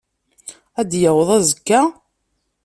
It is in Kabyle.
Ad d-yaweḍ azekka?